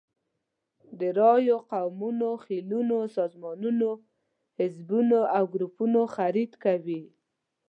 د رایو، قومونو، خېلونو، سازمانونو، حزبونو او ګروپونو خرید کوي.